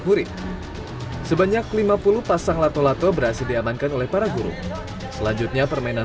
murid sebanyak lima puluh pasang lato lato berhasil diamankan oleh para guru selanjutnya permainan